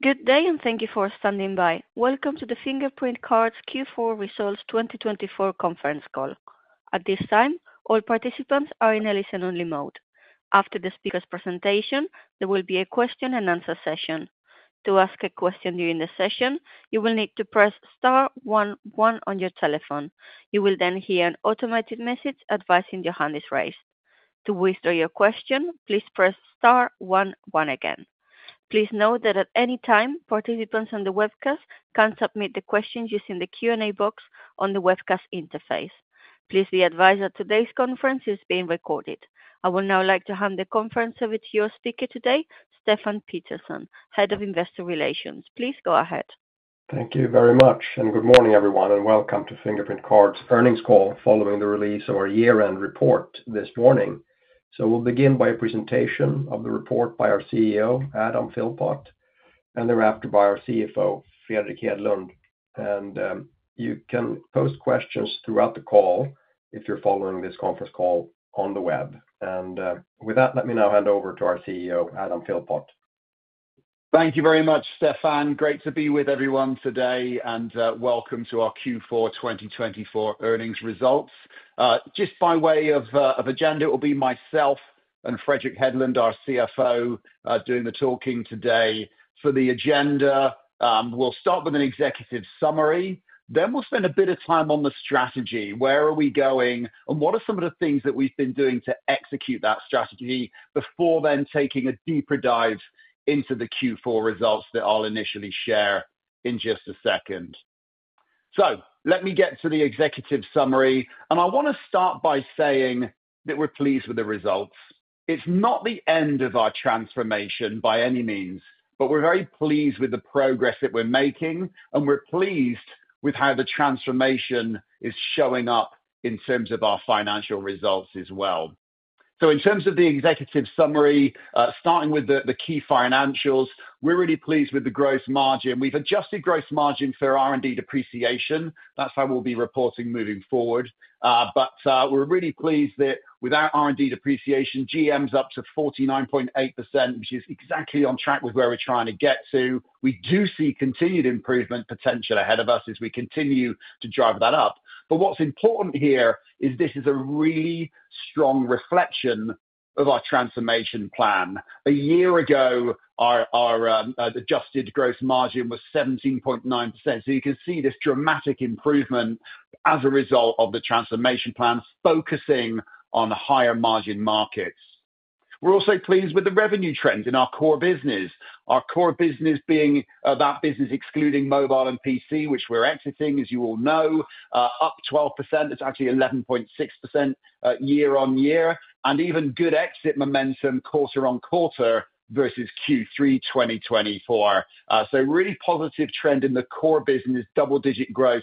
Good day, and thank you for standing by. Welcome to the Fingerprint Cards Q4 Results 2024 Conference Call. At this time, all participants are in a listen-only mode. After the speaker's presentation, there will be a question-and-answer session. To ask a question during the session, you will need to press star one one on your telephone. You will then hear an automated message advising your hand is raised. To withdraw your question, please press star one one again. Please note that at any time, participants on the webcast can submit their questions using the Q&A box on the webcast interface. Please be advised that today's conference is being recorded. I would now like to hand the conference over to your speaker today, Stefan Pettersson, Head of Investor Relations. Please go ahead. Thank you very much, and good morning, everyone, and welcome to Fingerprint Cards' Earnings Call following the release of our year-end report this morning. We will begin by a presentation of the report by our CEO, Adam Philpott, and thereafter by our CFO, Fredrik Hedlund. You can post questions throughout the call if you are following this conference call on the web. With that, let me now hand over to our CEO, Adam Philpott. Thank you very much, Stefan. Great to be with everyone today, and welcome to our Q4 2024 earnings results. Just by way of agenda, it will be myself and Fredrik Hedlund, our CFO, doing the talking today. For the agenda, we'll start with an executive summary. Then we'll spend a bit of time on the strategy. Where are we going, and what are some of the things that we've been doing to execute that strategy? Before then, taking a deeper dive into the Q4 results that I'll initially share in just a second. Let me get to the executive summary, and I want to start by saying that we're pleased with the results. It's not the end of our transformation by any means, but we're very pleased with the progress that we're making, and we're pleased with how the transformation is showing up in terms of our financial results as well. In terms of the executive summary, starting with the key financials, we're really pleased with the gross margin. We've adjusted gross margin for R&D depreciation. That's how we'll be reporting moving forward. We're really pleased that with our R&D depreciation, gross margin is up to 49.8%, which is exactly on track with where we're trying to get to. We do see continued improvement potential ahead of us as we continue to drive that up. What's important here is this is a really strong reflection of our transformation plan. A year ago, our adjusted gross margin was 17.9%. You can see this dramatic improvement as a result of the transformation plan focusing on higher margin markets. We're also pleased with the revenue trends in our core business, our core business being that business excluding mobile and PC, which we're exiting, as you all know, up 12%. It's actually 11.6% year-over-year, and even good exit momentum quarter-over-quarter versus Q3 2024. Really positive trend in the core business, double-digit growth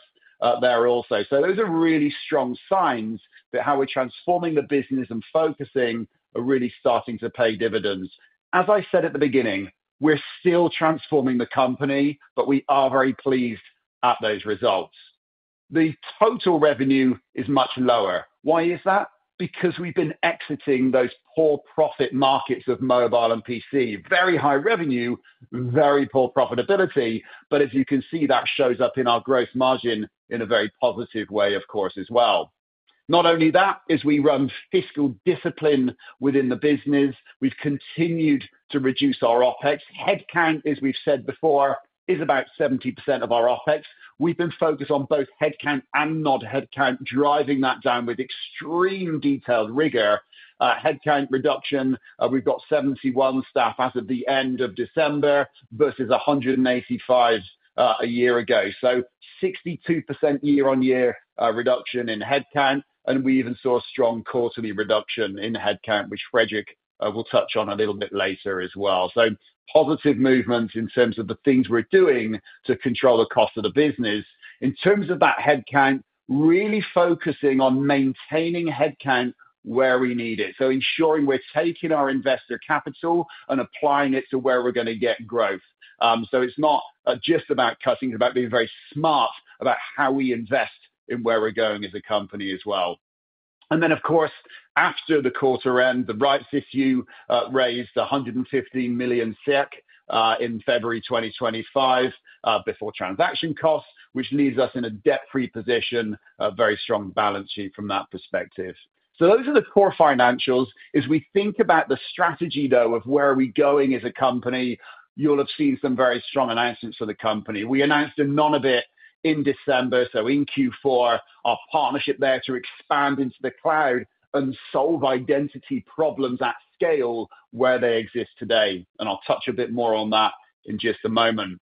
there also. Those are really strong signs that how we're transforming the business and focusing are really starting to pay dividends. As I said at the beginning, we're still transforming the company, but we are very pleased at those results. The total revenue is much lower. Why is that? Because we've been exiting those poor profit markets of mobile and PC, very high revenue, very poor profitability. As you can see, that shows up in our gross margin in a very positive way, of course, as well. Not only that, as we run fiscal discipline within the business, we've continued to reduce our OpEx. Headcount, as we've said before, is about 70% of our OpEx. We've been focused on both headcount and not headcount, driving that down with extreme detailed rigor. Headcount reduction, we've got 71 staff as of the end of December versus 185 a year ago. So 62% year-over-year reduction in headcount, and we even saw a strong quarterly reduction in headcount, which Fredrik will touch on a little bit later as well. Positive movements in terms of the things we're doing to control the cost of the business. In terms of that headcount, really focusing on maintaining headcount where we need it, so ensuring we're taking our investor capital and applying it to where we're going to get growth. It is not just about cutting, it is about being very smart about how we invest in where we're going as a company as well. Of course, after the quarter end, the rights issue raised 115 million SEK in February 2025 before transaction costs, which leaves us in a debt-free position, a very strong balance sheet from that perspective. Those are the core financials. As we think about the strategy, though, of where are we going as a company, you'll have seen some very strong announcements for the company. We announced Anonybit in December, so in Q4, our partnership there to expand into the cloud and solve identity problems at scale where they exist today. I'll touch a bit more on that in just a moment.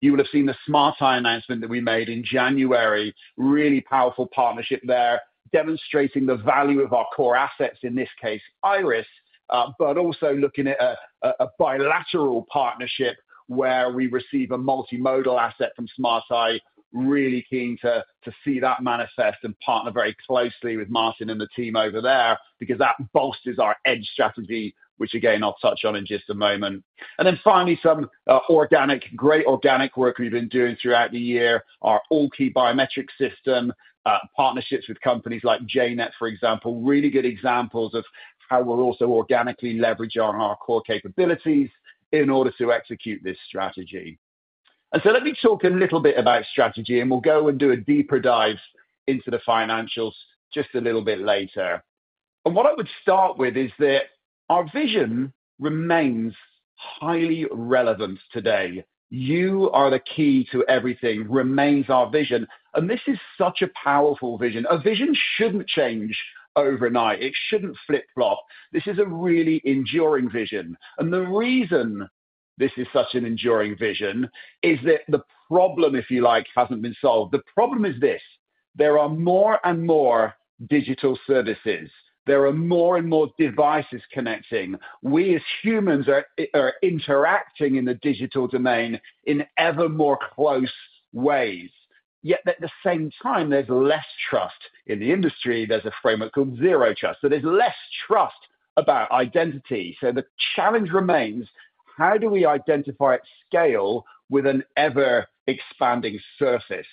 You will have seen the Smart Eye announcement that we made in January, really powerful partnership there, demonstrating the value of our core assets, in this case, iris, but also looking at a bilateral partnership where we receive a multimodal asset from Smart Eye. Really keen to see that manifest and partner very closely with Martin and the team over there because that bolsters our edge strategy, which, again, I'll touch on in just a moment. Finally, some organic, great organic work we've been doing throughout the year, our AllKey biometric system, partnerships with companies like jNet, for example, really good examples of how we're also organically leveraging our core capabilities in order to execute this strategy. Let me talk a little bit about strategy, and we'll go and do a deeper dive into the financials just a little bit later. What I would start with is that our vision remains highly relevant today. You are the key to everything, remains our vision. This is such a powerful vision. A vision shouldn't change overnight. It shouldn't flip-flop. This is a really enduring vision. The reason this is such an enduring vision is that the problem, if you like, hasn't been solved. The problem is this: there are more and more digital services. There are more and more devices connecting. We, as humans, are interacting in the digital domain in ever more close ways. Yet at the same time, there's less trust in the industry. There's a framework called zero trust. There's less trust about identity. The challenge remains, how do we identify at scale with an ever-expanding surface?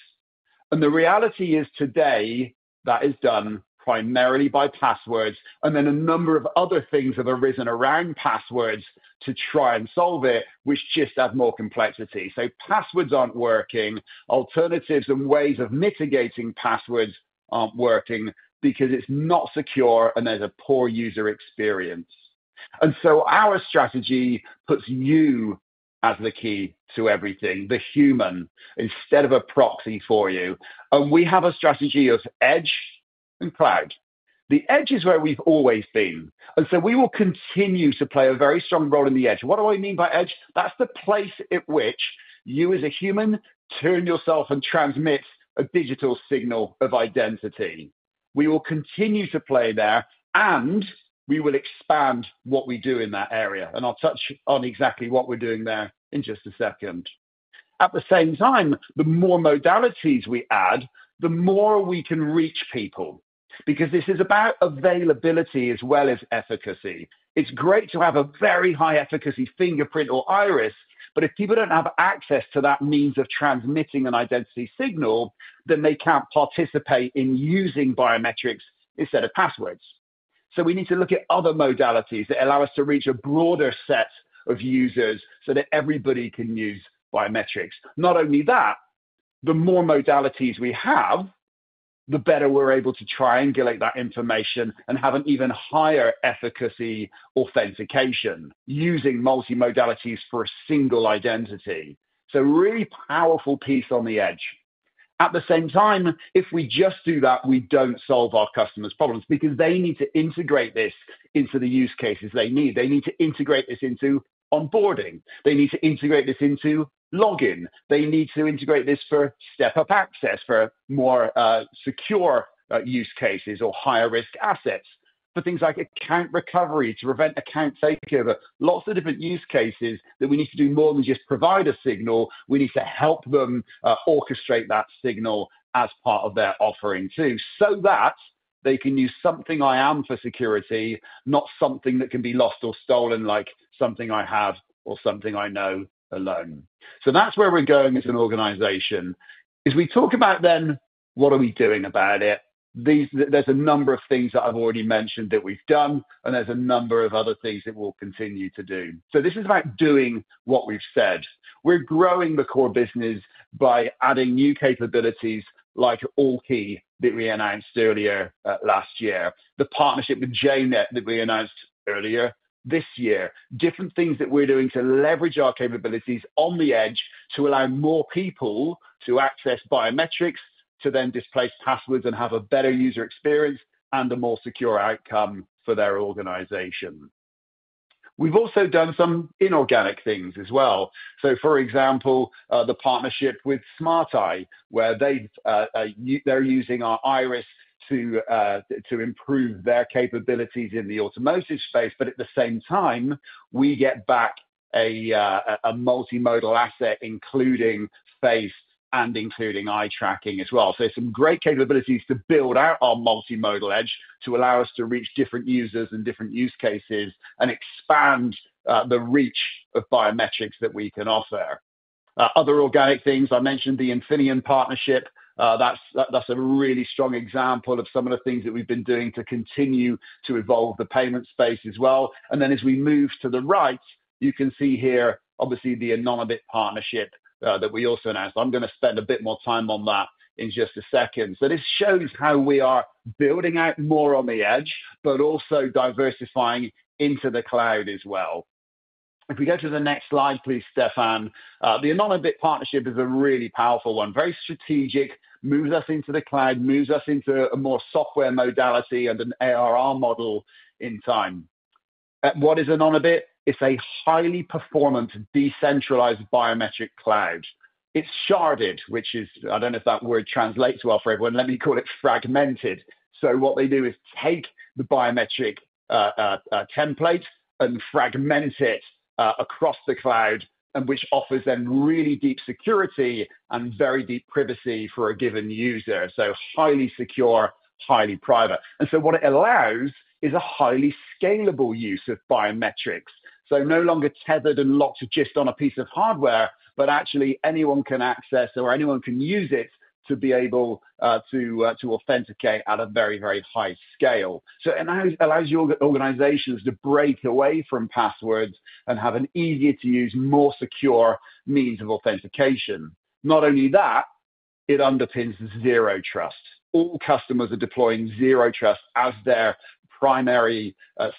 The reality is today, that is done primarily by passwords, and then a number of other things have arisen around passwords to try and solve it, which just adds more complexity. Passwords are not working. Alternatives and ways of mitigating passwords are not working because it is not secure, and there is a poor user experience. Our strategy puts you as the key to everything, the human, instead of a proxy for you. We have a strategy of edge and cloud. The edge is where we have always been. We will continue to play a very strong role in the edge. What do I mean by edge? That is the place at which you, as a human, turn yourself and transmit a digital signal of identity. We will continue to play there, and we will expand what we do in that area. I'll touch on exactly what we're doing there in just a second. At the same time, the more modalities we add, the more we can reach people because this is about availability as well as efficacy. It's great to have a very high-efficacy fingerprint or iris, but if people don't have access to that means of transmitting an identity signal, then they can't participate in using biometrics instead of passwords. We need to look at other modalities that allow us to reach a broader set of users so that everybody can use biometrics. Not only that, the more modalities we have, the better we're able to triangulate that information and have an even higher efficacy authentication using multimodalities for a single identity. Really powerful piece on the edge. At the same time, if we just do that, we do not solve our customers' problems because they need to integrate this into the use cases they need. They need to integrate this into onboarding. They need to integrate this into login. They need to integrate this for step-up access for more secure use cases or higher-risk assets, for things like account recovery to prevent account takeover, lots of different use cases that we need to do more than just provide a signal. We need to help them orchestrate that signal as part of their offering too so that they can use something I am for security, not something that can be lost or stolen like something I have or something I know alone. That is where we are going as an organization. As we talk about then, what are we doing about it? There's a number of things that I've already mentioned that we've done, and there's a number of other things that we'll continue to do. This is about doing what we've said. We're growing the core business by adding new capabilities like AllKey that we announced earlier last year, the partnership with jNet that we announced earlier this year, different things that we're doing to leverage our capabilities on the edge to allow more people to access biometrics, to then displace passwords and have a better user experience and a more secure outcome for their organization. We've also done some inorganic things as well. For example, the partnership with Smart Eye, where they're using our iris to improve their capabilities in the automotive space, but at the same time, we get back a multimodal asset, including face and including eye tracking as well. Some great capabilities to build out our multimodal edge to allow us to reach different users and different use cases and expand the reach of biometrics that we can offer. Other organic things, I mentioned the Infineon partnership. That is a really strong example of some of the things that we have been doing to continue to evolve the payment space as well. As we move to the right, you can see here, obviously, the Anonybit partnership that we also announced. I am going to spend a bit more time on that in just a second. This shows how we are building out more on the edge, but also diversifying into the cloud as well. If we go to the next slide, please, Stefan. The Anonybit partnership is a really powerful one, very strategic, moves us into the cloud, moves us into a more software modality and an ARR model in time. What is Anonybit? It's a highly performant decentralized biometric cloud. It's sharded, which is, I don't know if that word translates well for everyone. Let me call it fragmented. What they do is take the biometric template and fragment it across the cloud, which offers then really deep security and very deep privacy for a given user. Highly secure, highly private. What it allows is a highly scalable use of biometrics. No longer tethered and locked just on a piece of hardware, but actually anyone can access or anyone can use it to be able to authenticate at a very, very high scale. It allows your organizations to break away from passwords and have an easier-to-use, more secure means of authentication. Not only that, it underpins zero trust. All customers are deploying zero trust as their primary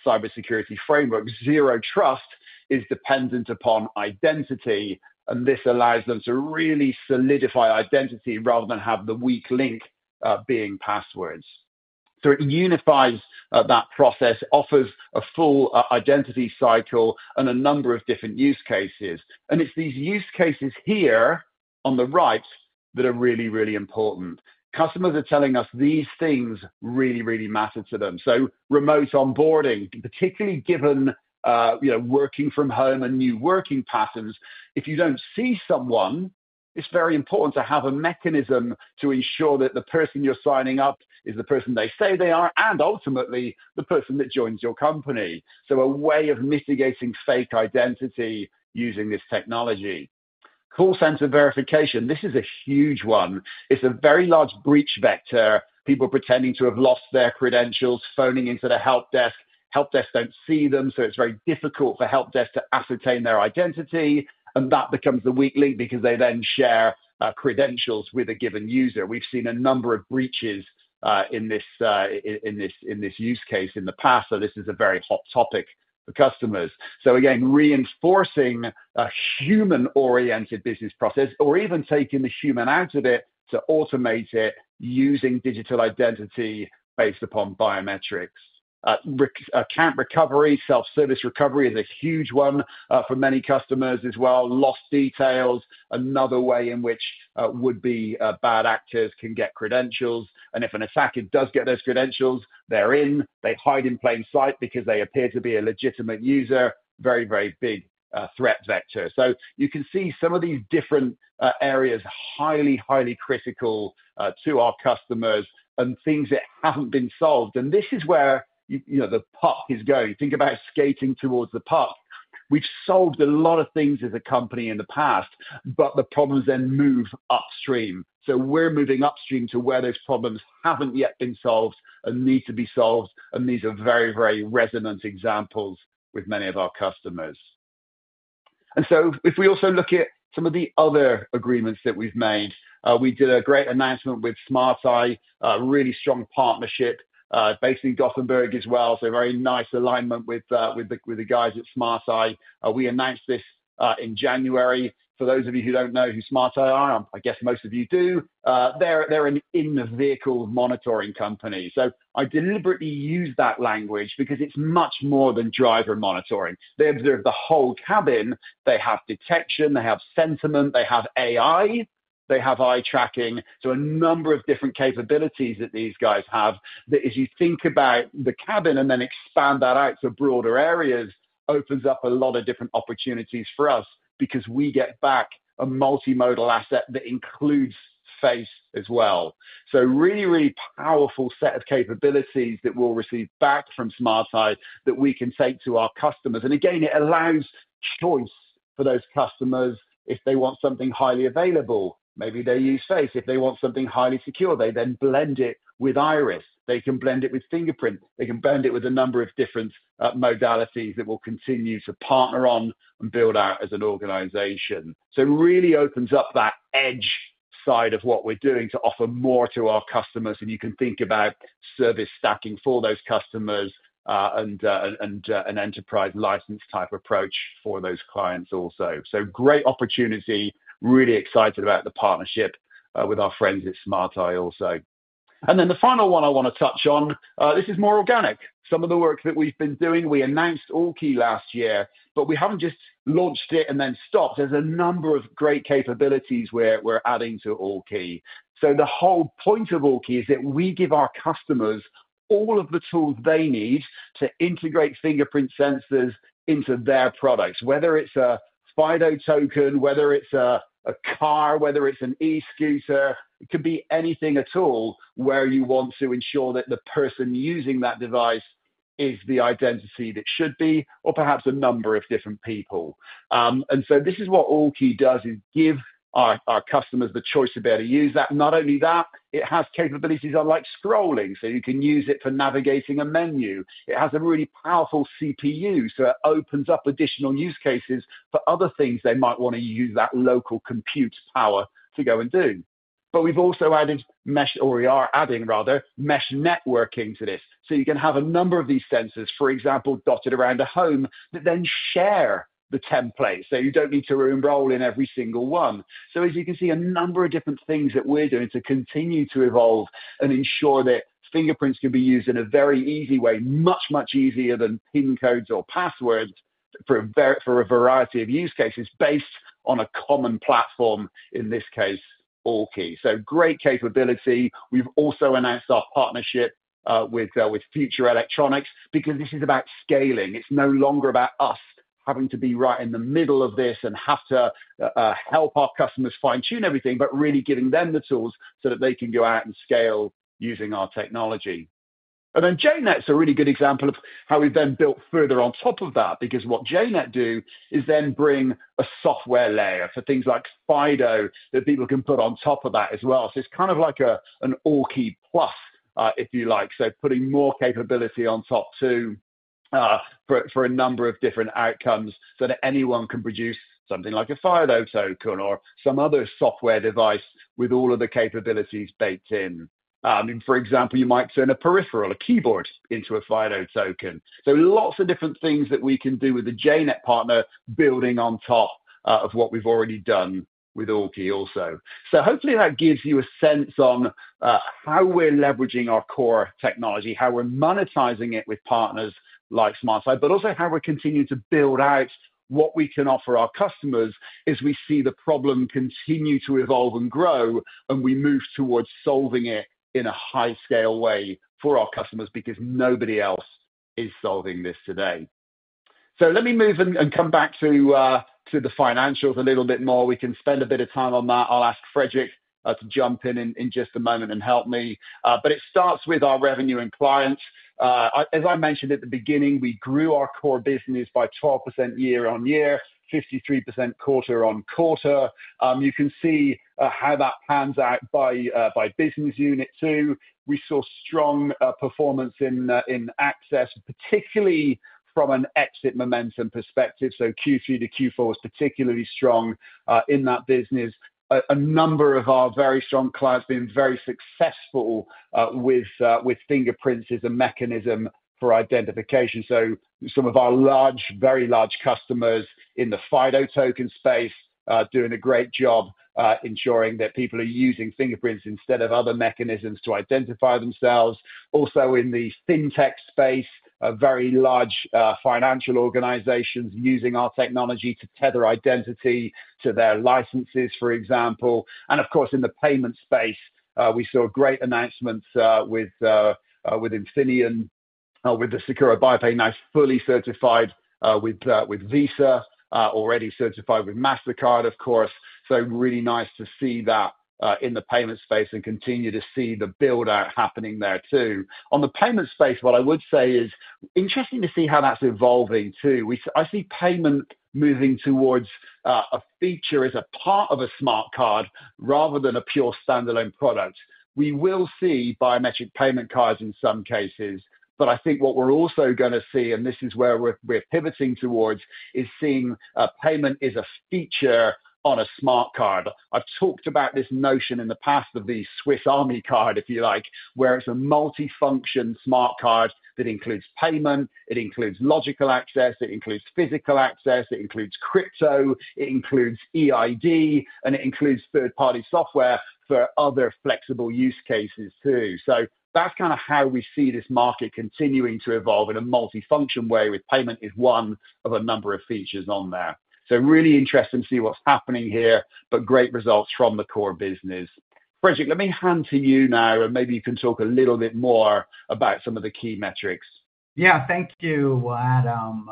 cybersecurity framework. Zero trust is dependent upon identity, and this allows them to really solidify identity rather than have the weak link being passwords. It unifies that process, offers a full identity cycle and a number of different use cases. These use cases here on the right are really, really important. Customers are telling us these things really, really matter to them. Remote onboarding, particularly given working from home and new working patterns, if you do not see someone, it is very important to have a mechanism to ensure that the person you are signing up is the person they say they are and ultimately the person that joins your company. A way of mitigating fake identity using this technology. Call center verification, this is a huge one. It's a very large breach vector. People pretending to have lost their credentials, phoning into the help desk. Help desk don't see them, so it's very difficult for help desk to ascertain their identity. That becomes the weak link because they then share credentials with a given user. We've seen a number of breaches in this use case in the past, so this is a very hot topic for customers. Again, reinforcing a human-oriented business process or even taking the human out of it to automate it using digital identity based upon biometrics. Account recovery, self-service recovery is a huge one for many customers as well. Lost details, another way in which would-be bad actors can get credentials. If an attacker does get those credentials, they're in. They hide in plain sight because they appear to be a legitimate user, very, very big threat vector. You can see some of these different areas, highly, highly critical to our customers and things that have not been solved. This is where the puck is going. Think about skating towards the puck. We have solved a lot of things as a company in the past, but the problems then move upstream. We are moving upstream to where those problems have not yet been solved and need to be solved. These are very, very resonant examples with many of our customers. If we also look at some of the other agreements that we have made, we did a great announcement with Smart Eye, a really strong partnership based in Gothenburg as well. Very nice alignment with the guys at Smart Eye. We announced this in January. For those of you who don't know who Smart Eye are, I guess most of you do, they're an in-vehicle monitoring company. I deliberately use that language because it's much more than driver monitoring. They observe the whole cabin. They have detection. They have sentiment. They have AI. They have eye tracking. A number of different capabilities that these guys have that, as you think about the cabin and then expand that out to broader areas, opens up a lot of different opportunities for us because we get back a multimodal asset that includes face as well. Really, really powerful set of capabilities that we'll receive back from Smart Eye that we can take to our customers. Again, it allows choice for those customers. If they want something highly available, maybe they use face. If they want something highly secure, they then blend it with iris. They can blend it with fingerprint. They can blend it with a number of different modalities that we will continue to partner on and build out as an organization. It really opens up that edge side of what we are doing to offer more to our customers. You can think about service stacking for those customers and an enterprise license type approach for those clients also. Great opportunity. Really excited about the partnership with our friends at Smart Eye also. The final one I want to touch on, this is more organic. Some of the work that we have been doing, we announced AllKey last year, but we have not just launched it and then stopped. There are a number of great capabilities we are adding to AllKey. The whole point of AllKey is that we give our customers all of the tools they need to integrate fingerprint sensors into their products, whether it's a FIDO token, whether it's a car, whether it's an e-scooter. It could be anything at all where you want to ensure that the person using that device is the identity that should be or perhaps a number of different people. This is what AllKey does, is give our customers the choice of better use that. Not only that, it has capabilities unlike scrolling. You can use it for navigating a menu. It has a really powerful CPU, so it opens up additional use cases for other things they might want to use that local compute power to go and do. We have also added mesh or we are adding, rather, mesh networking to this. You can have a number of these sensors, for example, dotted around a home that then share the template. You do not need to roll in every single one. As you can see, a number of different things that we are doing to continue to evolve and ensure that fingerprints can be used in a very easy way, much, much easier than PIN codes or passwords for a variety of use cases based on a common platform, in this case, AllKey. Great capability. We have also announced our partnership with Future Electronics because this is about scaling. It is no longer about us having to be right in the middle of this and have to help our customers fine-tune everything, but really giving them the tools so that they can go out and scale using our technology. jNet is a really good example of how we've then built further on top of that because what jNet do is then bring a software layer for things like FIDO that people can put on top of that as well. It is kind of like an AllKey plus, if you like. Putting more capability on top too for a number of different outcomes so that anyone can produce something like a FIDO token or some other software device with all of the capabilities baked in. For example, you might turn a peripheral, a keyboard, into a FIDO token. Lots of different things that we can do with the jNet partner building on top of what we've already done with AllKey also. Hopefully that gives you a sense on how we're leveraging our core technology, how we're monetizing it with partners like Smart Eye, but also how we're continuing to build out what we can offer our customers as we see the problem continue to evolve and grow and we move towards solving it in a high-scale way for our customers because nobody else is solving this today. Let me move and come back to the financials a little bit more. We can spend a bit of time on that. I'll ask Fredrik to jump in in just a moment and help me. It starts with our revenue and clients. As I mentioned at the beginning, we grew our core business by 12% year-on-year, 53% quarter-on-quarter. You can see how that pans out by business unit too. We saw strong performance in access, particularly from an exit momentum perspective. Q3 to Q4 was particularly strong in that business. A number of our very strong clients have been very successful with fingerprints as a mechanism for identification. Some of our large, very large customers in the FIDO token space are doing a great job ensuring that people are using fingerprints instead of other mechanisms to identify themselves. Also in the fintech space, very large financial organizations using our technology to tether identity to their licenses, for example. In the payment space, we saw great announcements with Infineon, with the SECORA Pay Bio fully certified with Visa, already certified with Mastercard, of course. Really nice to see that in the payment space and continue to see the build-out happening there too. On the payment space, what I would say is interesting to see how that's evolving too. I see payment moving towards a feature as a part of a smart card rather than a pure standalone product. We will see biometric payment cards in some cases, but I think what we're also going to see, and this is where we're pivoting towards, is seeing payment as a feature on a smart card. I've talked about this notion in the past of the Swiss Army card, if you like, where it's a multifunction smart card that includes payment, it includes logical access, it includes physical access, it includes crypto, it includes EID, and it includes third-party software for other flexible use cases too. That's kind of how we see this market continuing to evolve in a multifunction way with payment as one of a number of features on there. Really interesting to see what's happening here, but great results from the core business. Fredrik, let me hand to you now, and maybe you can talk a little bit more about some of the key metrics. Yeah, thank you, Adam.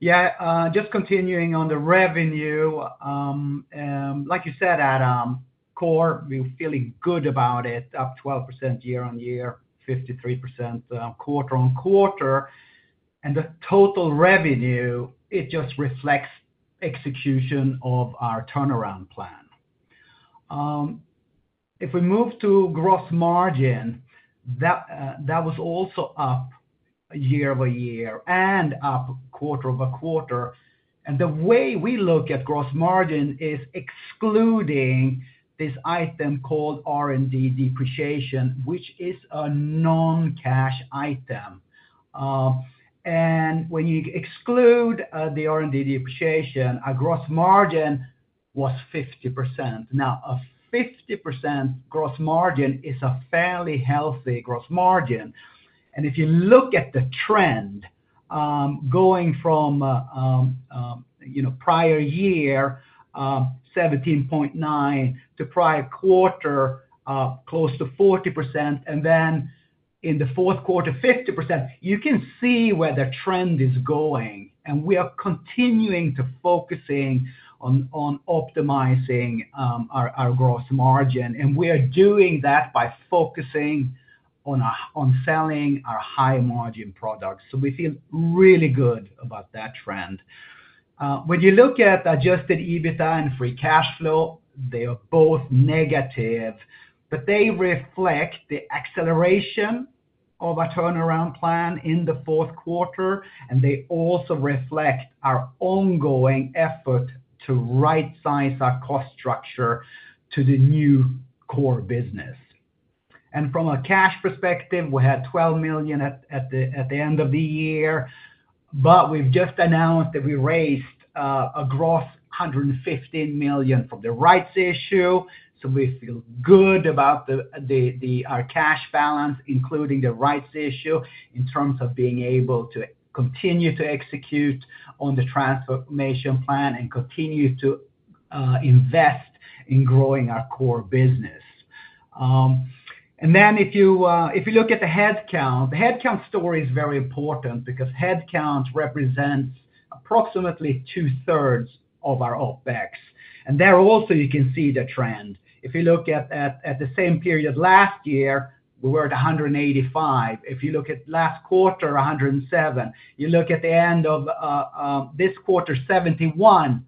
Yeah, just continuing on the revenue. Like you said, Adam, core, we're feeling good about it, up 12% year-on-year, 53% quarter-on-quarter. The total revenue, it just reflects execution of our turnaround plan. If we move to gross margin, that was also up year-over-year and up quarter-over-quarter. The way we look at gross margin is excluding this item called R&D depreciation, which is a non-cash item. When you exclude the R&D depreciation, our gross margin was 50%. Now, a 50% gross margin is a fairly healthy gross margin. If you look at the trend going from prior year, 17.9%, to prior quarter, close to 40%, and then in the fourth quarter, 50%, you can see where the trend is going. We are continuing to focus on optimizing our gross margin. We are doing that by focusing on selling our high-margin products. We feel really good about that trend. When you look at adjusted EBITDA and free cash flow, they are both negative, but they reflect the acceleration of our turnaround plan in the fourth quarter. They also reflect our ongoing effort to right-size our cost structure to the new core business. From a cash perspective, we had 12 million at the end of the year, but we have just announced that we raised a gross 115 million from the rights issue. We feel good about our cash balance, including the rights issue, in terms of being able to continue to execute on the transformation plan and continue to invest in growing our core business. If you look at the headcount, the headcount story is very important because headcount represents approximately 2/3 of our OpEx. There also, you can see the trend. If you look at the same period last year, we were at 185. If you look at last quarter, 107. You look at the end of this quarter, 71.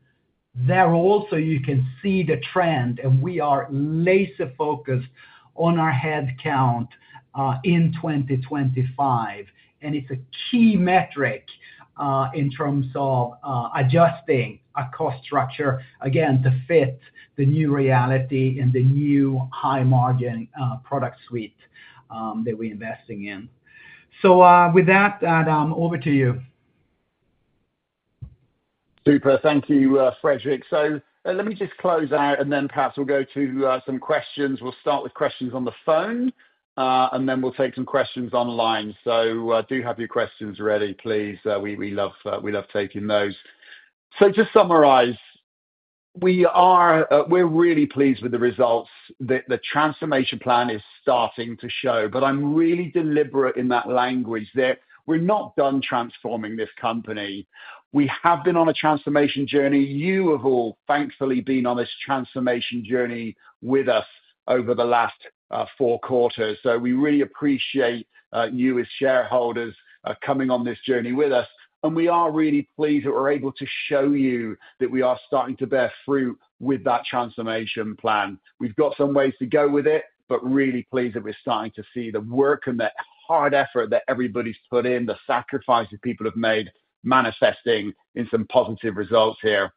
There also, you can see the trend, and we are laser-focused on our headcount in 2025. It is a key metric in terms of adjusting our cost structure, again, to fit the new reality and the new high-margin product suite that we are investing in. With that, Adam, over to you. Super. Thank you, Fredrik. Let me just close out, and then perhaps we'll go to some questions. We'll start with questions on the phone, and then we'll take some questions online. Do have your questions ready, please. We love taking those. To summarize, we're really pleased with the results that the transformation plan is starting to show. I'm really deliberate in that language that we're not done transforming this company. We have been on a transformation journey. You have all, thankfully, been on this transformation journey with us over the last four quarters. We really appreciate you as shareholders coming on this journey with us. We are really pleased that we're able to show you that we are starting to bear fruit with that transformation plan. We've got some ways to go with it, but really pleased that we're starting to see the work and the hard effort that everybody's put in, the sacrifice that people have made, manifesting in some positive results here.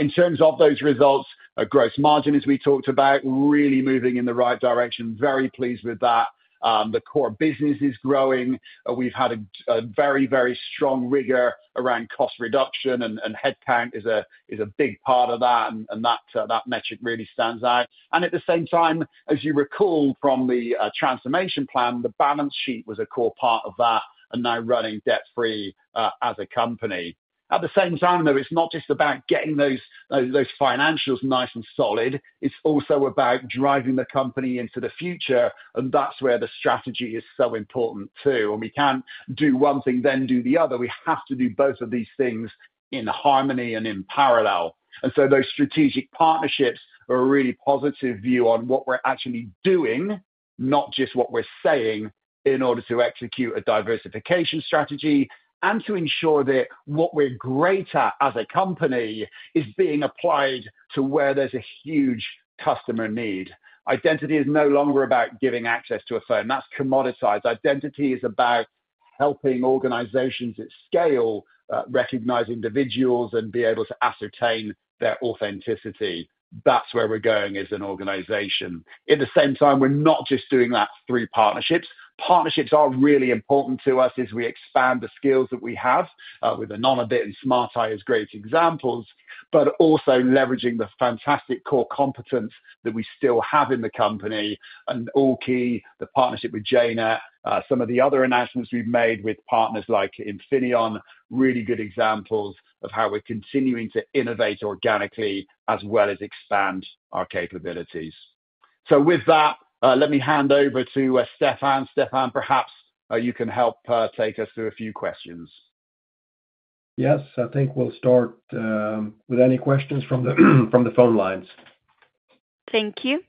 In terms of those results, gross margin, as we talked about, really moving in the right direction. Very pleased with that. The core business is growing. We've had a very, very strong rigor around cost reduction, and headcount is a big part of that, and that metric really stands out. At the same time, as you recall from the transformation plan, the balance sheet was a core part of that and now running debt-free as a company. At the same time, though, it's not just about getting those financials nice and solid. It's also about driving the company into the future, and that's where the strategy is so important too. We can't do one thing, then do the other. We have to do both of these things in harmony and in parallel. Those strategic partnerships are a really positive view on what we're actually doing, not just what we're saying, in order to execute a diversification strategy and to ensure that what we're great at as a company is being applied to where there's a huge customer need. Identity is no longer about giving access to a firm. That's commoditized. Identity is about helping organizations at scale recognize individuals and be able to ascertain their authenticity. That's where we're going as an organization. At the same time, we're not just doing that through partnerships. Partnerships are really important to us as we expand the skills that we have, with Anonybit and Smart Eye as great examples, but also leveraging the fantastic core competence that we still have in the company. AllKey, the partnership with jNet, some of the other announcements we've made with partners like Infineon, are really good examples of how we're continuing to innovate organically as well as expand our capabilities. With that, let me hand over to Stefan. Stefan, perhaps you can help take us through a few questions. Yes, I think we'll start with any questions from the phone lines. Thank you.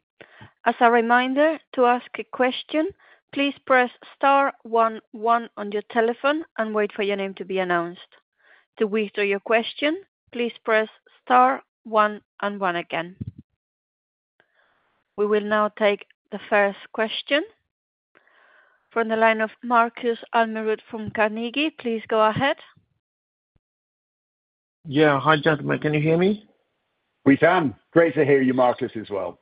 As a reminder, to ask a question, please press star one one on your telephone and wait for your name to be announced. To withdraw your question, please press star one and one again. We will now take the first question from the line of Markus Almerud from Carnegie. Please go ahead. Yeah. Hi, gentlemen. Can you hear me? We can. Great to hear you, Markus, as well.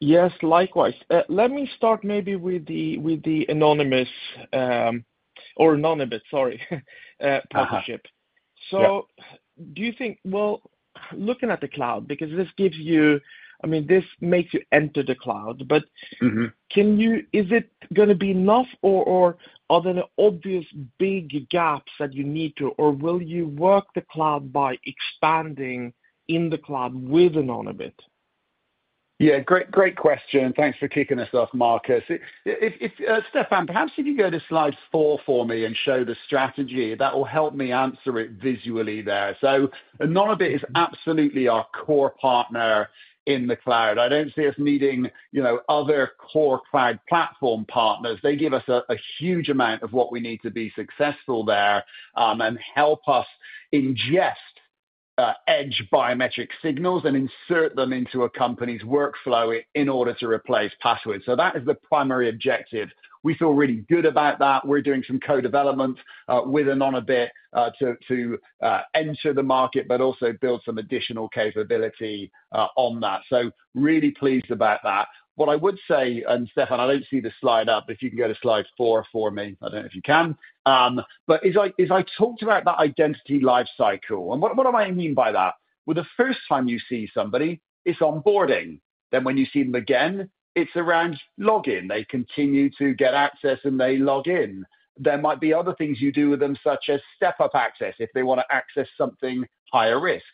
Yes, likewise. Let me start maybe with the Anonybit partnership. Do you think, looking at the cloud, because this gives you, I mean, this makes you enter the cloud, but is it going to be enough, or are there obvious big gaps that you need to, or will you work the cloud by expanding in the cloud with Anonybit? Great question. Thanks for kicking us off, Markus. Stefan, perhaps if you go to Slide Four for me and show the strategy, that will help me answer it visually there. Anonybit is absolutely our core partner in the cloud. I do not see us needing other core cloud platform partners. They give us a huge amount of what we need to be successful there and help us ingest edge biometric signals and insert them into a company's workflow in order to replace passwords. That is the primary objective. We feel really good about that. We're doing some co-development with Anonybit to enter the market, but also build some additional capability on that. Really pleased about that. What I would say, and Stefan, I don't see the slide up, if you can go to Slide Four for me. I don't know if you can. As I talked about the identity lifecycle, and what do I mean by that? The first time you see somebody, it's onboarding. When you see them again, it's around login. They continue to get access, and they log in. There might be other things you do with them, such as step-up access if they want to access something higher risk.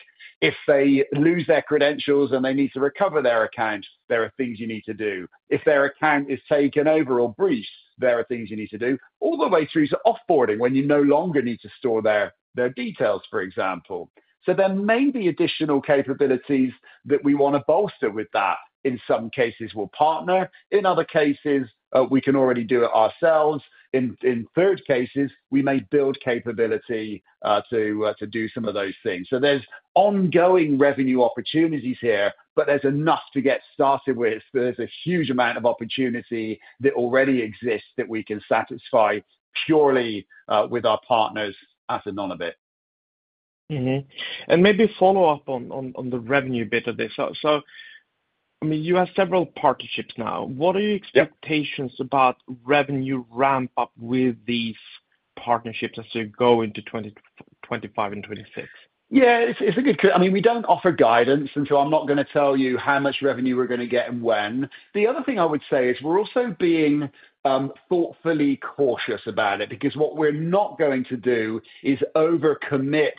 If they lose their credentials and they need to recover their account, there are things you need to do. If their account is taken over or breached, there are things you need to do, all the way through to offboarding when you no longer need to store their details, for example. There may be additional capabilities that we want to bolster with that. In some cases, we'll partner. In other cases, we can already do it ourselves. In third cases, we may build capability to do some of those things. There are ongoing revenue opportunities here, but there's enough to get started with. There's a huge amount of opportunity that already exists that we can satisfy purely with our partners as Anonybit. Maybe follow up on the revenue bit of this. I mean, you have several partnerships now. What are your expectations about revenue ramp-up with these partnerships as they go into 2025 and 2026? Yeah, it's a good question. I mean, we don't offer guidance, and so I'm not going to tell you how much revenue we're going to get and when. The other thing I would say is we're also being thoughtfully cautious about it because what we're not going to do is over-commit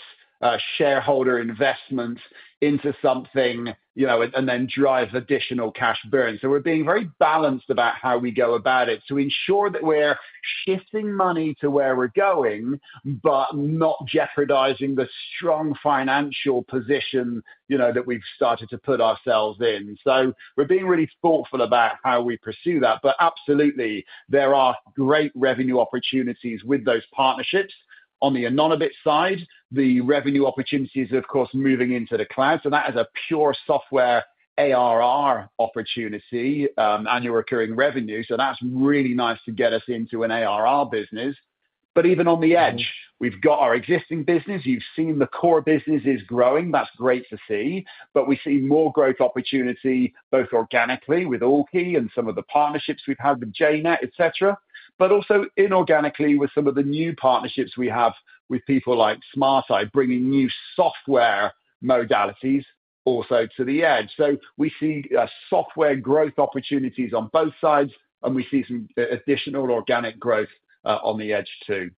shareholder investments into something and then drive additional cash burn. We are being very balanced about how we go about it to ensure that we're shifting money to where we're going, but not jeopardizing the strong financial position that we've started to put ourselves in. We are being really thoughtful about how we pursue that. Absolutely, there are great revenue opportunities with those partnerships. On the Anonybit side, the revenue opportunity is, of course, moving into the cloud. That is a pure software ARR opportunity, annual recurring revenue. That is really nice to get us into an ARR business. Even on the edge, we have our existing business. You have seen the core business is growing. That is great to see. We see more growth opportunity, both organically with AllKey and some of the partnerships we have had with jNet, etc., but also inorganically with some of the new partnerships we have with people like Smart Eye, bringing new software modalities also to the edge. We see software growth opportunities on both sides, and we see some additional organic growth on the edge too.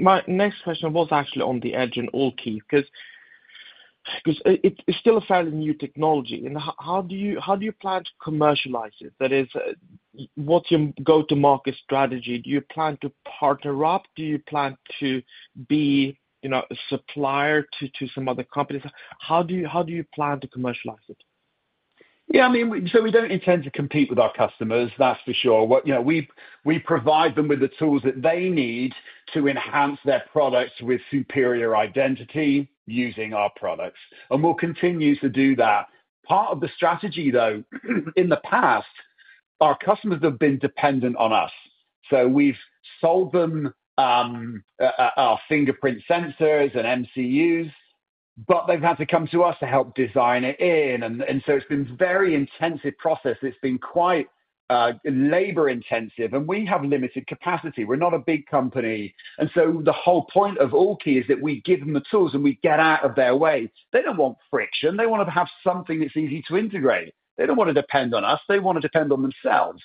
My next question was actually on the edge and AllKey because it is still a fairly new technology. How do you plan to commercialize it? That is, what's your go-to-market strategy? Do you plan to partner up? Do you plan to be a supplier to some other companies? How do you plan to commercialize it? Yeah, I mean, we don't intend to compete with our customers, that's for sure. We provide them with the tools that they need to enhance their products with superior identity using our products. We'll continue to do that. Part of the strategy, though, in the past, our customers have been dependent on us. We've sold them our fingerprint sensors and MCUs, but they've had to come to us to help design it in. It's been a very intensive process. It's been quite labor-intensive, and we have limited capacity. We're not a big company. The whole point of AllKey is that we give them the tools, and we get out of their way. They do not want friction. They want to have something that is easy to integrate. They do not want to depend on us. They want to depend on themselves.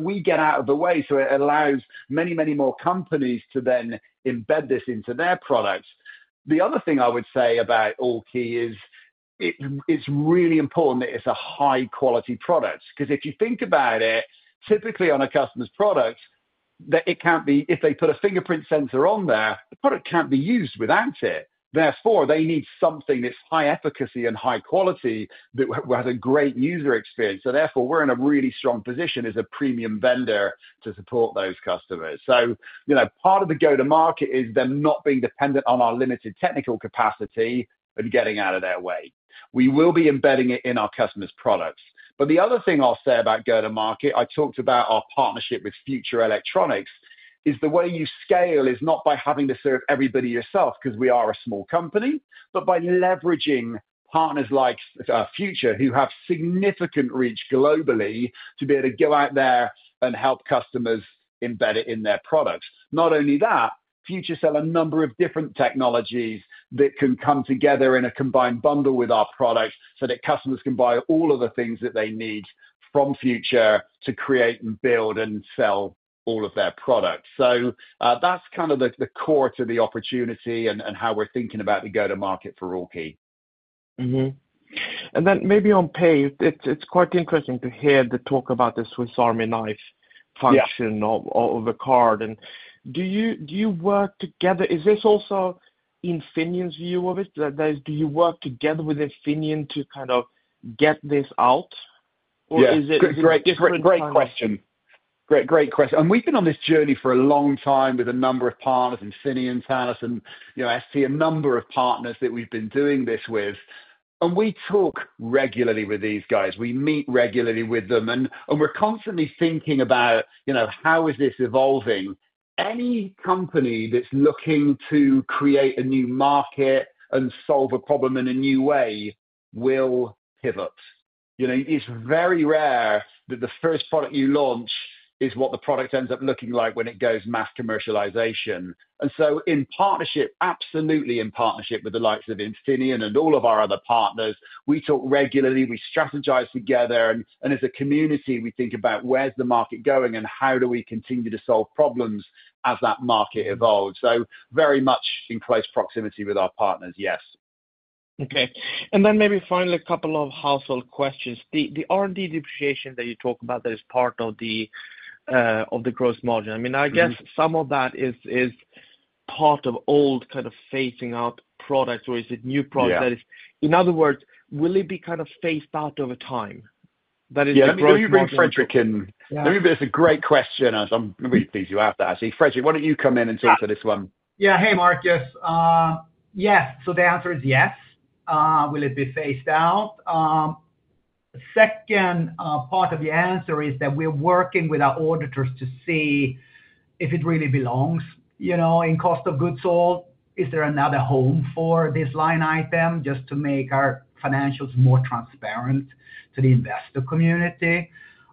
We get out of the way. It allows many, many more companies to then embed this into their products. The other thing I would say about AllKey is it is really important that it is a high-quality product because if you think about it, typically on a customer's product, if they put a fingerprint sensor on there, the product cannot be used without it. Therefore, they need something that is high efficacy and high quality that has a great user experience. Therefore, we are in a really strong position as a premium vendor to support those customers. Part of the go-to-market is them not being dependent on our limited technical capacity and getting out of their way. We will be embedding it in our customers' products. The other thing I'll say about go-to-market, I talked about our partnership with Future Electronics, is the way you scale is not by having to serve everybody yourself because we are a small company, but by leveraging partners like Future who have significant reach globally to be able to go out there and help customers embed it in their products. Not only that, Future sell a number of different technologies that can come together in a combined bundle with our product so that customers can buy all of the things that they need from Future to create and build and sell all of their products. That's kind of the core to the opportunity and how we're thinking about the go-to-market for AllKey. Maybe on pay, it's quite interesting to hear the talk about the Swiss Army knife function of a card. Do you work together? Is this also Infineon's view of it? Do you work together with Infineon to kind of get this out? Or is it a different? Great question. Great question. We've been on this journey for a long time with a number of partners, Infineon, Thales, and I see a number of partners that we've been doing this with. We talk regularly with these guys. We meet regularly with them, and we're constantly thinking about how is this evolving. Any company that's looking to create a new market and solve a problem in a new way will pivot. It's very rare that the first product you launch is what the product ends up looking like when it goes mass commercialization. In partnership, absolutely in partnership with the likes of Infineon and all of our other partners, we talk regularly, we strategize together, and as a community, we think about where's the market going and how do we continue to solve problems as that market evolves. Very much in close proximity with our partners, yes. Okay. Maybe finally, a couple of household questions. The R&D depreciation that you talk about that is part of the gross margin. I mean, I guess some of that is part of old kind of phasing out products, or is it new products? In other words, will it be kind of phased out over time? That is the gross margin. Yeah, can you bring Fredrik in? It's a great question. I'm really pleased you asked that. I see. Fredrik, why don't you come in and talk to this one? Yeah. Hey, Markus. Yes. So the answer is yes. Will it be phased out? Second part of the answer is that we're working with our auditors to see if it really belongs. In cost of goods sold, is there another home for this line item just to make our financials more transparent to the investor community?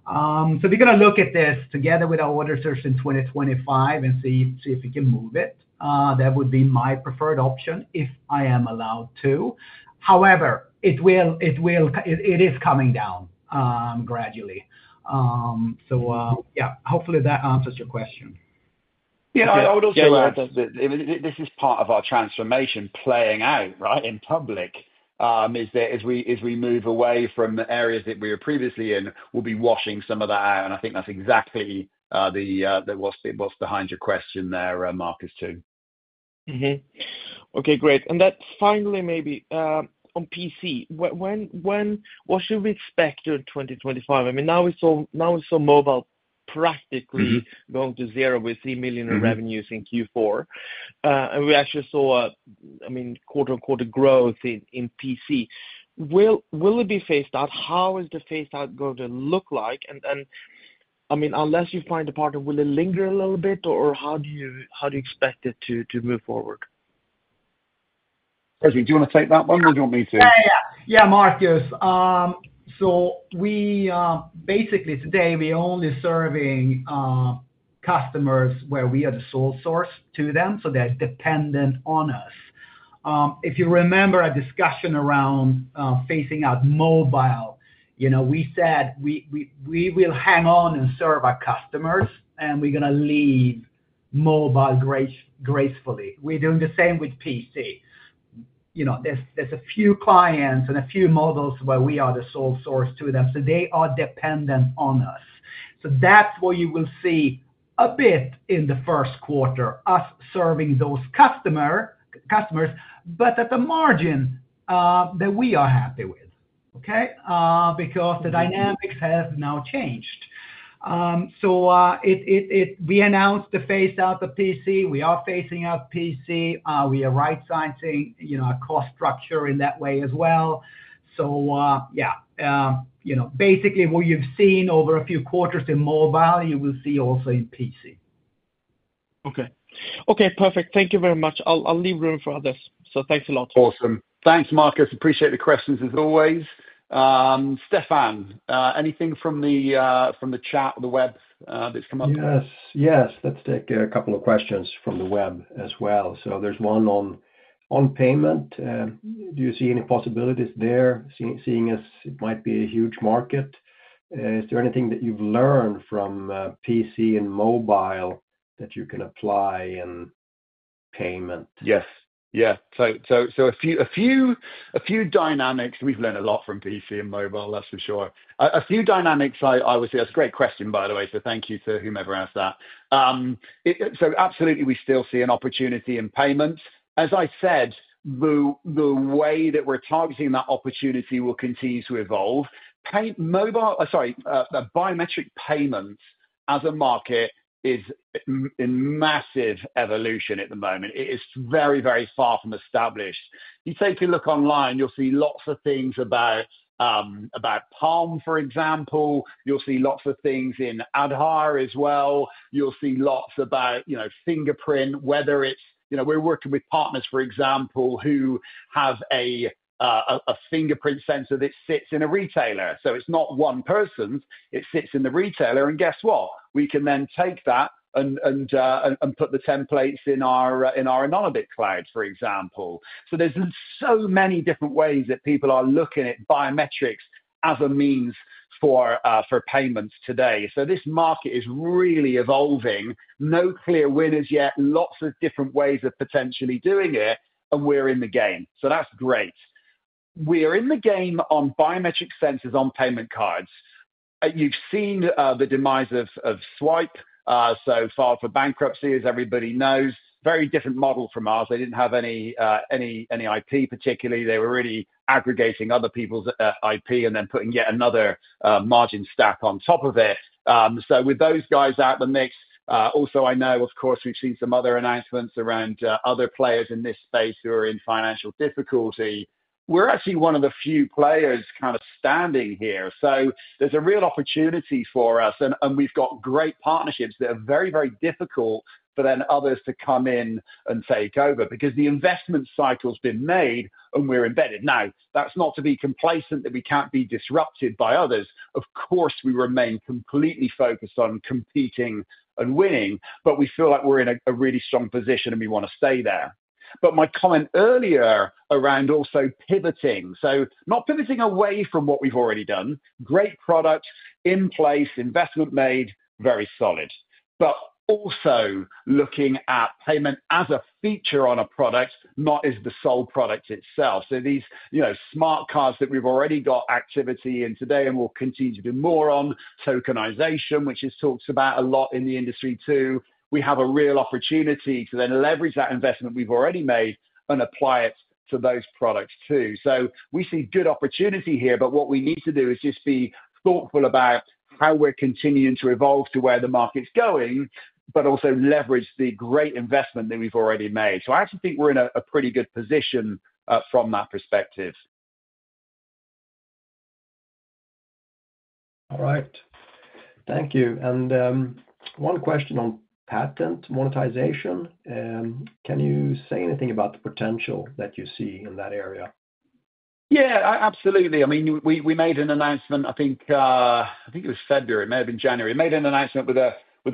We are going to look at this together with our auditors in 2025 and see if we can move it. That would be my preferred option if I am allowed to. However, it is coming down gradually. Yeah, hopefully that answers your question. Yeah, I would also like to say this is part of our transformation playing out, right, in public, is that as we move away from the areas that we were previously in, we'll be washing some of that out. I think that's exactly what's behind your question there, Markus, too. Okay, great. Finally, maybe on PC, what should we expect in 2025? I mean, now we saw mobile practically going to zero with 3 million in revenues in Q4. We actually saw, I mean, quote-unquote, growth in PC. Will it be phased out? How is the phased-out going to look like? I mean, unless you find a partner, will it linger a little bit, or how do you expect it to move forward? Fredrik, do you want to take that one, or do you want me to? Yeah, yeah, yeah. Yeah, Markus. Basically, today, we're only serving customers where we are the sole source to them, so they're dependent on us. If you remember our discussion around phasing out mobile, we said we will hang on and serve our customers, and we're going to leave mobile gracefully. We're doing the same with PC. There's a few clients and a few models where we are the sole source to them. So they are dependent on us. That's what you will see a bit in the first quarter, us serving those customers, but at the margin that we are happy with, okay, because the dynamics have now changed. We announced the phase-out of PC. We are phasing out PC. We are right-sizing our cost structure in that way as well. Basically, what you've seen over a few quarters in mobile, you will see also in PC. Okay. Okay, perfect. Thank you very much. I'll leave room for others. Thanks a lot. Awesome. Thanks, Markus. Appreciate the questions as always. Stefan, anything from the chat, the web that's come up? Yes, yes. Let's take a couple of questions from the web as well. There's one on payment. Do you see any possibilities there? Seeing as it might be a huge market, is there anything that you've learned from PC and mobile that you can apply in payment? Yeah. A few dynamics. We've learned a lot from PC and mobile, that's for sure. A few dynamics, I would say that's a great question, by the way. Thank you to whomever asked that. Absolutely, we still see an opportunity in payments. As I said, the way that we're targeting that opportunity will continue to evolve. Mobile, sorry, biometric payments as a market is in massive evolution at the moment. It is very, very far from established. You take a look online, you'll see lots of things about Palm, for example. You'll see lots of things in AR as well. You'll see lots about fingerprint, whether it's, we're working with partners, for example, who have a fingerprint sensor that sits in a retailer. So it's not one person. It sits in the retailer. And guess what? We can then take that and put the templates in our Anonybit cloud, for example. There are so many different ways that people are looking at biometrics as a means for payments today. This market is really evolving. No clear winners yet. Lots of different ways of potentially doing it, and we're in the game. That is great. We are in the game on biometric sensors on payment cards. You've seen the demise of Zwipe so far for bankruptcy, as everybody knows. Very different model from ours. They didn't have any IP, particularly. They were really aggregating other people's IP and then putting yet another margin stack on top of it. With those guys out of the mix, also, I know, of course, we've seen some other announcements around other players in this space who are in financial difficulty. We're actually one of the few players kind of standing here. There's a real opportunity for us, and we've got great partnerships that are very, very difficult for then others to come in and take over because the investment cycle has been made, and we're embedded. Now, that's not to be complacent that we can't be disrupted by others. Of course, we remain completely focused on competing and winning, but we feel like we're in a really strong position, and we want to stay there. My comment earlier around also pivoting—not pivoting away from what we've already done. Great product in place, investment made, very solid. Also looking at payment as a feature on a product, not as the sole product itself. These smart cards that we've already got activity in today and will continue to do more on, tokenization, which is talked about a lot in the industry too. We have a real opportunity to then leverage that investment we've already made and apply it to those products too. We see good opportunity here, but what we need to do is just be thoughtful about how we're continuing to evolve to where the market's going, but also leverage the great investment that we've already made. I actually think we're in a pretty good position from that perspective. All right. Thank you. One question on patent monetization. Can you say anything about the potential that you see in that area? Yeah, absolutely. I mean, we made an announcement, I think it was February. It may have been January. We made an announcement with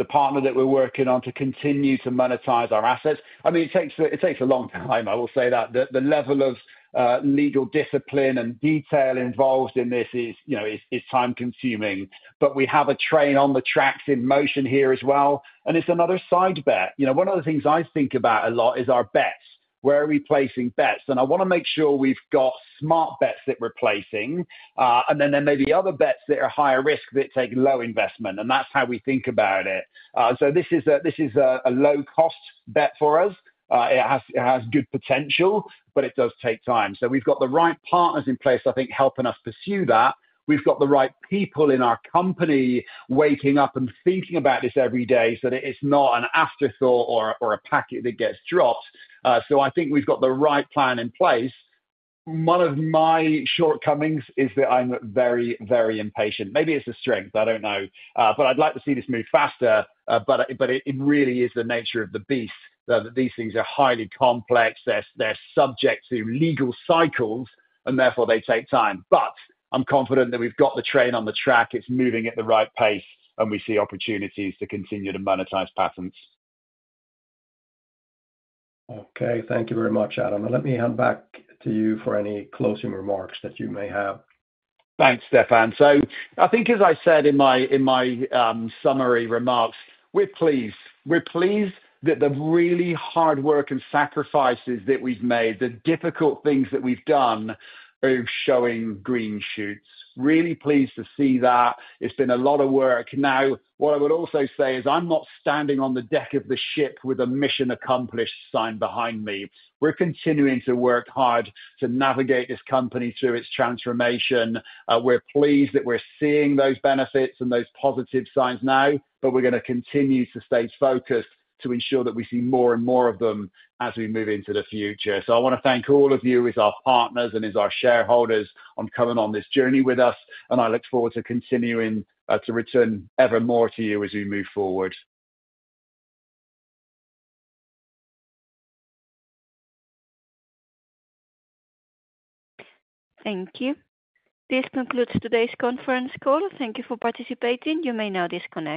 a partner that we're working on to continue to monetize our assets. It takes a long time, I will say that. The level of legal discipline and detail involved in this is time-consuming, but we have a train on the tracks in motion here as well. It's another side bet. One of the things I think about a lot is our bets. Where are we placing bets? I want to make sure we've got smart bets that we're placing, and there may be other bets that are higher risk that take low investment. That is how we think about it. This is a low-cost bet for us. It has good potential, but it does take time. We've got the right partners in place, I think, helping us pursue that. We've got the right people in our company waking up and thinking about this every day so that it's not an afterthought or a packet that gets dropped. I think we've got the right plan in place. One of my shortcomings is that I'm very, very impatient. Maybe it's a strength. I don't know. I'd like to see this move faster, but it really is the nature of the beast that these things are highly complex. They're subject to legal cycles, and therefore, they take time. I'm confident that we've got the train on the track. It's moving at the right pace, and we see opportunities to continue to monetize patents. Thank you very much, Adam. Let me hand back to you for any closing remarks that you may have. Thanks, Stefan. I think, as I said in my summary remarks, we're pleased. We're pleased that the really hard work and sacrifices that we've made, the difficult things that we've done, are showing green shoots. Really pleased to see that. It's been a lot of work. What I would also say is I'm not standing on the deck of the ship with a mission accomplished sign behind me. We're continuing to work hard to navigate this company through its transformation. We're pleased that we're seeing those benefits and those positive signs now, but we're going to continue to stay focused to ensure that we see more and more of them as we move into the future. I want to thank all of you as our partners and as our shareholders on coming on this journey with us, and I look forward to continuing to return ever more to you as we move forward. Thank you. This concludes today's conference call. Thank you for participating. You may now disconnect.